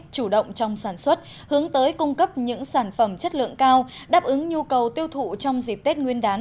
chủ động trong sản xuất hướng tới cung cấp những sản phẩm chất lượng cao đáp ứng nhu cầu tiêu thụ trong dịp tết nguyên đán